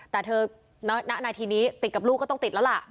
แต่เธอณนาทีนี้ติดกับลูกก็ต้องติดแล้วล่ะ